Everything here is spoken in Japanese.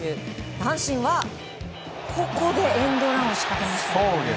阪神はここでエンドランを仕掛けましたね。